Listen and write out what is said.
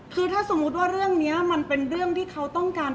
เพราะว่าสิ่งเหล่านี้มันเป็นสิ่งที่ไม่มีพยาน